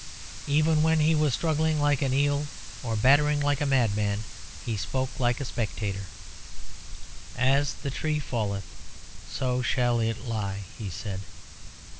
Even when he was struggling like an eel or battering like a madman, he spoke like a spectator. "As the tree falleth, so shall it lie," he said.